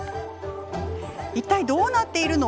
いったいどうなってるの？